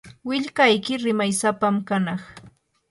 willkayki rimaysapam kanaq.